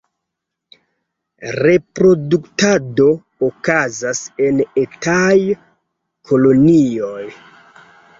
Reproduktado okazas en etaj kolonioj.